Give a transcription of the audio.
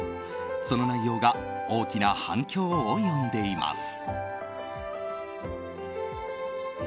その内容が大きな反響を呼んでいます。